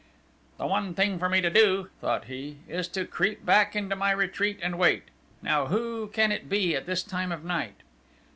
"The one thing for me to do," thought he, "is to creep back into my retreat and wait. Now who can it be at this time of night?"